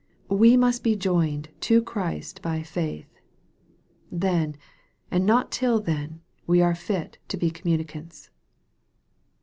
We must be joined to Christ by faith. Then, and not till then, we are fit to be communicants.